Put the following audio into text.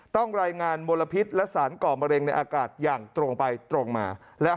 ต้องรายงานมลพิษและสารก่อมะเร็งในอากาศอย่างตรงไปตรงมา